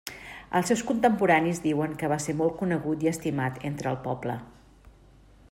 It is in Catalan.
Els seus contemporanis diuen que va ser molt conegut i estimat entre el poble.